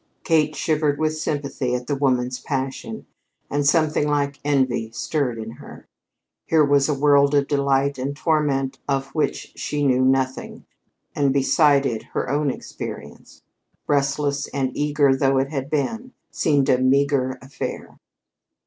Kate shivered with sympathy at the woman's passion, and something like envy stirred in her. Here was a world of delight and torment of which she knew nothing, and beside it her own existence, restless and eager though it had been, seemed a meager affair.